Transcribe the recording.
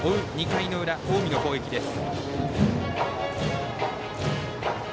２回の裏、近江の攻撃です。